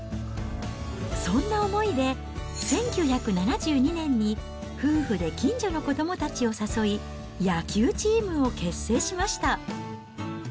そんな思いで、１９７２年に夫婦で近所の子どもたちを誘い、野球チームを結成しました。